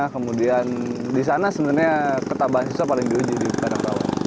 kemudian di sana sebenarnya ketabah siswa paling diujui di padang rawa